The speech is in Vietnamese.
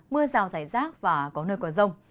mưa rào rải rác và có nơi còn rông